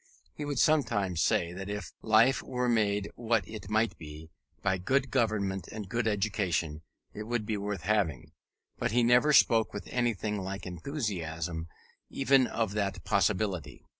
He would sometimes say that if life were made what it might be, by good government and good education, it would be worth having: but he never spoke with anything like enthusiasm even of that possibility.